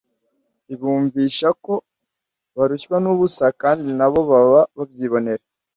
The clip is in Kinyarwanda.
ibumvisha ko barushywa n'ubusa, kandi na bo baba babyibonera